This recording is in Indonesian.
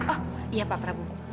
oh iya pak prabu